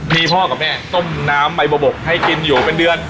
มีพ่อกับแม่ต้มน้ำใบบกให้กินอยู่เป็นเดือน